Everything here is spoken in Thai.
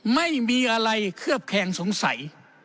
ไม่มีอะไรเคลือบแคงสงสัย